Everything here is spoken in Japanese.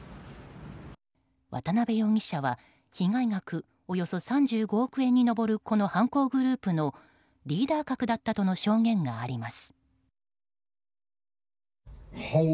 渡辺容疑者は被害額およそ３５億円に上るこの犯行グループのリーダー格だったとの証言があります。